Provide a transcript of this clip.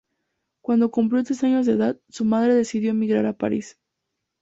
Cuando cumplió tres años de edad, su madre decidió emigrar a París.